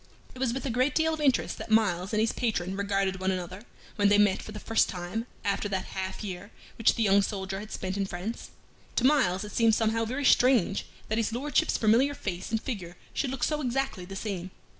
It was with a great deal of interest that Myles and his patron regarded one another when they met for the first time after that half year which the young soldier had spent in France. To Myles it seemed somehow very strange that his Lordship's familiar face and figure should look so exactly the same.